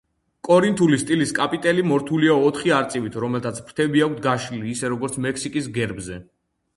კორინთული სტილის კაპიტელი მორთულია ოთხი არწივით, რომელთაც ფრთები აქვთ გაშლილი ისე, როგორც მექსიკის გერბზე.